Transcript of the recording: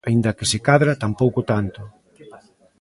Aínda que, se cadra, tampouco tanto.